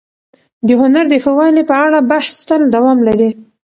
د هنر د ښه والي په اړه بحث تل دوام لري.